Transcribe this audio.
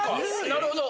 なるほど！